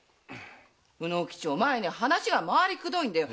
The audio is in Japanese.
卯之吉話がまわりくどいんだよ